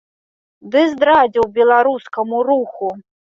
Ды здрадзіў беларускаму руху!